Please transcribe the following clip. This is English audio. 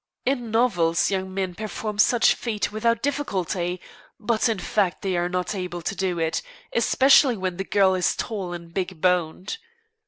In novels young men perform such a feat without difficulty; but in fact they are not able to do it, especially when the girl is tall and big boned.